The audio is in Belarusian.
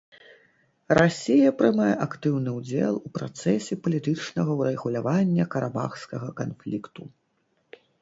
Расія прымае актыўны ўдзел у працэсе палітычнага ўрэгулявання карабахскага канфлікту.